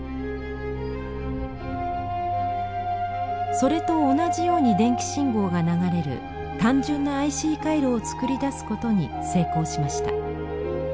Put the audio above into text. それと同じように電気信号が流れる単純なＩＣ回路を作り出すことに成功しました。